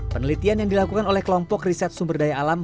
penelitian yang dilakukan oleh kelompok riset sumber daya alam